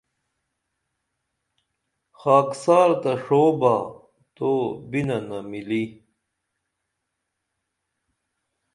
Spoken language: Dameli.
خاکسار تہ ݜوع با تو بیننہ مِلی